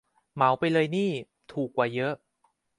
เหมาไปเลยนี่ถูกกว่าเยอะ